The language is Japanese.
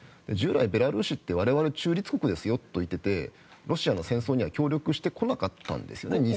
従来、ベラルーシって我々、中立国ですよと言っていてロシアの戦争には協力してこなかったんですね。